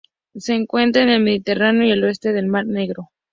Se encuentra en el Mediterráneo y al oeste del Mar Negro.